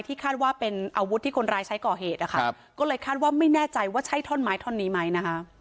คาดว่าเป็นอาวุธที่คนร้ายใช้ก่อเหตุนะคะก็เลยคาดว่าไม่แน่ใจว่าใช่ท่อนไม้ท่อนนี้ไหมนะคะ